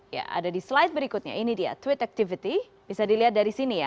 ya ada di slide berikutnya ini dia tweet activity bisa dilihat dari sini ya